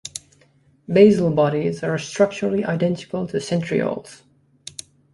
Basal bodies are structurally identical to centrioles.